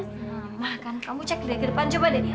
nah mah kan kamu cek dia ke depan coba deh